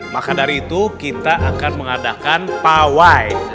maka dari itu kita akan mengadakan pawai